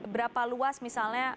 berapa luas misalnya